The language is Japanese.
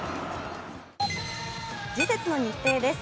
次節の日程です。